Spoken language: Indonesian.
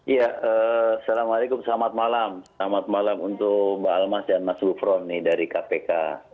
ya assalamu'alaikum selamat malam selamat malam untuk mbak almas dan mas wufron dari kpk